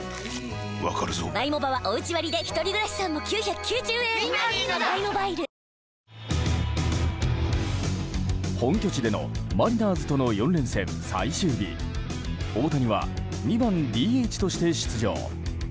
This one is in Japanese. わかるぞ本拠地でのマリナーズとの４連戦最終日大谷は２番ＤＨとして出場。